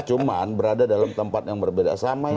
cuma berada dalam tempat yang berbeda sama